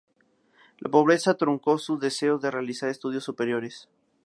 La pobreza truncó sus deseos de realizar estudios superiores.